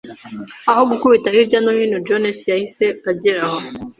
Aho gukubita hirya no hino, Jones yahise agera aho.